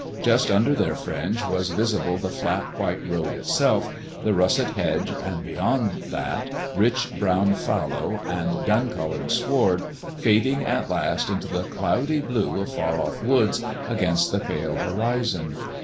Just under their fringe was visible the fiat white road itself, the russet hedge, and beyond that rich brown fallow and dun coloured sward, fading at last into the cloudy blue of far off woods against the pale horizon.